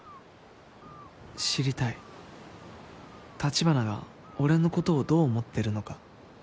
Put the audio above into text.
知りたい橘が俺のことをどう思ってるのか